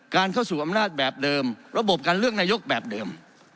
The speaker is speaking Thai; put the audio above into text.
เข้าสู่อำนาจแบบเดิมระบบการเลือกนายกแบบเดิม